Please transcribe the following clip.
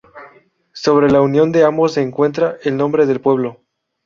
Sobre la unión de ambos se encuentra el nombre del pueblo.